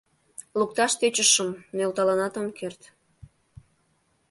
Лукташ тӧчышым — нӧлталынат ом керт...